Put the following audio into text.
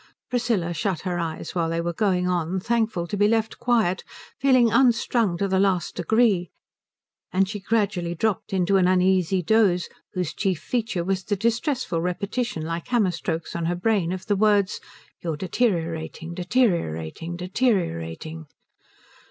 Priscilla shut her eyes while they were going on, thankful to be left quiet, feeling unstrung to the last degree; and she gradually dropped into an uneasy doze whose chief feature was the distressful repetition, like hammer strokes on her brain, of the words, "You're deteriorating deteriorating deteriorating."